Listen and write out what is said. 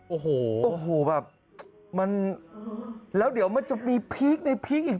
โอ้โหโอ้โหแบบมันแล้วเดี๋ยวมันจะมีพีคในพีคอีก